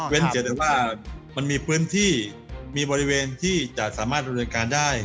เว้นเกี่ยวกับว่ามันมีพื้นที่มีบริเวณที่จะสามารถโดยการได้